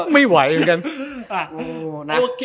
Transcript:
ไม่ไหวเหมือนกัน